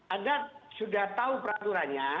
anda sudah tahu peraturannya